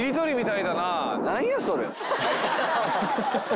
何やそれ。